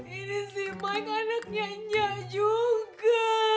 ini sih baik anaknya nya juga